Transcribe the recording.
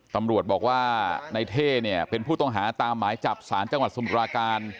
ตำรวจบอกว่าในเท่เนี่ยเป็นผู้ต้องหาตามหมายจับสารจังหวัดสมุทราการ